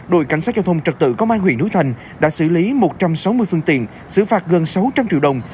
đội cảnh sát giao thông trật tự công an huyện núi thành đã xử lý một trăm sáu mươi phương tiện xử phạt gần sáu trăm linh triệu đồng